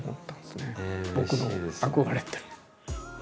僕の憧れてる。